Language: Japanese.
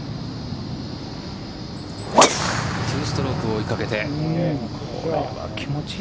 ２ストロークを追いかけて。